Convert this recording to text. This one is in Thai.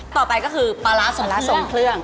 ต่อไปก็คือปลาร้าส่วนละ๒เครื่อง